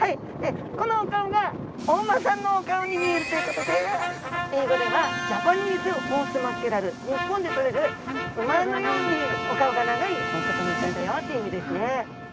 このお顔がお馬さんのお顔に見えるということで英語ではジャパニーズホースマッケレル日本でとれる馬のようにお顔が長いお魚ちゃんだよっていう意味ですね。